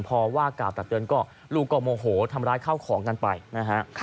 พอว่ากล่าวตักเตือนก็ลูกก็โมโหทำร้ายเข้าของกันไปนะฮะ